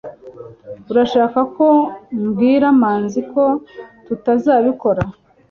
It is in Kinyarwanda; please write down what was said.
urashaka ko mbwira manzi ko tutazabikora